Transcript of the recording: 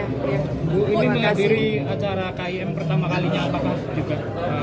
ibu ini menghadiri acara kim pertama kalinya apakah juga